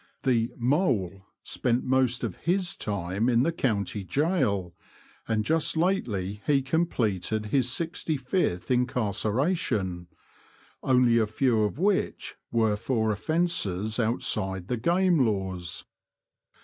The *' Mole " spent most of his time in the county gaol, and just lately he completed his sixty fifth incarceration — only a few of which were for offences out side the game laws.